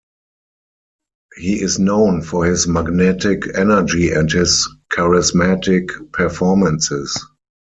He is known for his magnetic energy and his charismatic performances.